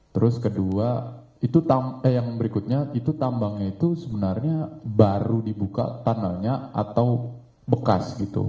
terus kedua itu yang berikutnya itu tambangnya itu sebenarnya baru dibuka kanalnya atau bekas gitu